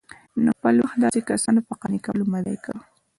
نو خپل وخت د داسي كسانو په قانع كولو مه ضايع كوه